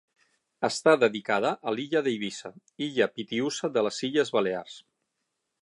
Està dedicada a l'illa d'Eivissa, illa pitiüsa de les Illes Balears.